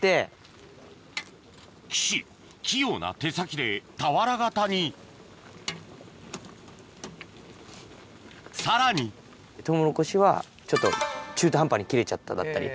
岸器用な手先で俵形にさらにトウモロコシはちょっと中途半端に切れちゃっただったり。